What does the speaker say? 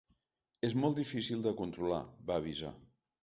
És molt difícil de controlar, va avisar.